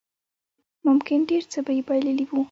ممکن ډېر څه به يې بايللي وو.